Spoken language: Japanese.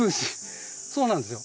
そうなんですよ。